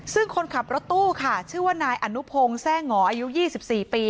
ซึ่งคนขับรถตู้ค่ะชื่อว่านายอนุพงศ์แก้งหออายุยี่สิบสี่ปี